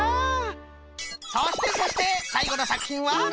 そしてそしてさいごのさくひんは。